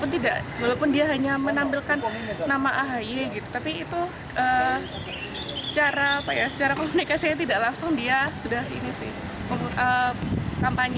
tidak langsung dia sudah ini sih kampanye